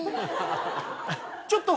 ちょっと。